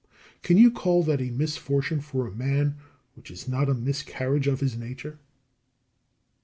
Can you call that a misfortune for a man which is not a miscarriage of his nature?